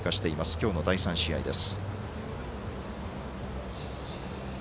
今日の第３試合です。